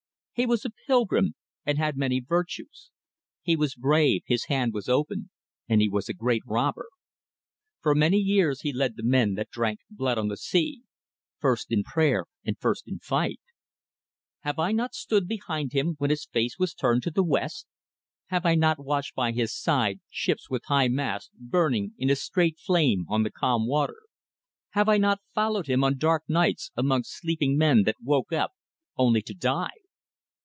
He was a pilgrim, and had many virtues: he was brave, his hand was open, and he was a great robber. For many years he led the men that drank blood on the sea: first in prayer and first in fight! Have I not stood behind him when his face was turned to the West? Have I not watched by his side ships with high masts burning in a straight flame on the calm water? Have I not followed him on dark nights amongst sleeping men that woke up only to die?